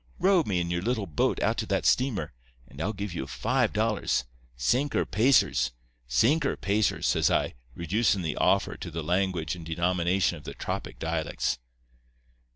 Row me in your little boat out to that steamer, and I'll give ye five dollars—sinker pacers—sinker pacers,' says I, reducin' the offer to the language and denomination of the tropic dialects.